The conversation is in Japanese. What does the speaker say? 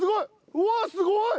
うわすごい！